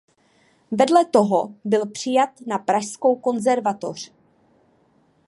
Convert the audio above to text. Vedle toho byl přijat na Pražskou konzervatoř.